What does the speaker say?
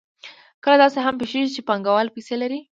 کله داسې هم پېښېږي چې پانګوال پیسې لري